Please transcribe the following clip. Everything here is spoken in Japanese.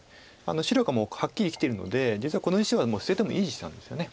白がはっきり生きてるので実はこの石はもう捨ててもいい石なんですよね。